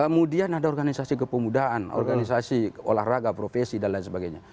kemudian ada organisasi kepemudaan organisasi olahraga profesi dan lain sebagainya